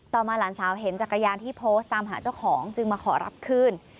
มาหลานสาวเห็นจักรยานที่โพสต์ตามหาเจ้าของจึงมาขอรับคืน